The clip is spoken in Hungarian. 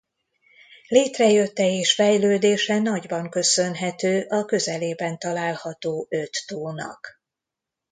Létrejötte és fejlődése nagyban köszönhető a közelében található öt tónak.